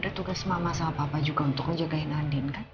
ada tugas mama sama papa juga untuk ngejagain andin kan